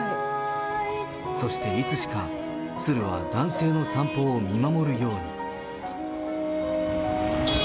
そしていつしか、鶴は男性の散歩を見守るように。